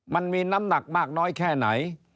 มันมีน้ำหนักมากน้อยแค่ไหน